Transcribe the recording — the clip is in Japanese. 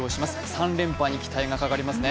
３連覇に期待がかかりますね。